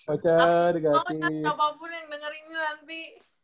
maksudnya siapapun yang dengerin ini nanti